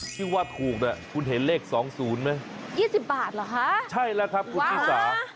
ชื่อว่าถูกน่ะคุณเห็นเลขสองศูนย์ไหม๒๐บาทเหรอฮะใช่แล้วครับคุณนี่สา